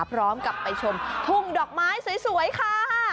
พร้อมกับไปชมทุ่งดอกไม้สวยค่ะ